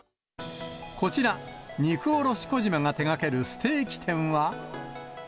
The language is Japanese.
こちら、肉卸小島が手がけるステーキ店は。